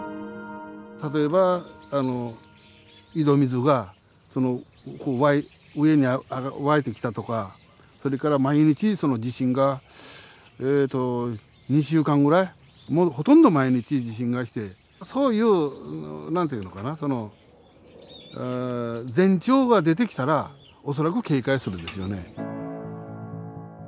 例えばあの井戸水が上に湧いてきたとかそれから毎日地震が２週間ぐらいほとんど毎日地震が来てそういう何て言うのかな前兆が出てきたら恐らく警戒するんですよね。